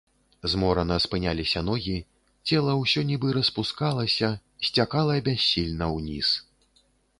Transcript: Зморана спыняліся ногі, цела ўсё нібы распускалася, сцякала бяссільна ўніз.